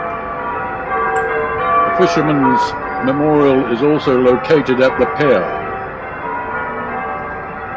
A fishermen's memorial is also located at the Pier.